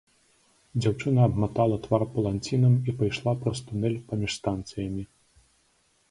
Дзяўчына абматала твар паланцінам і пайшла праз тунэль паміж станцыямі.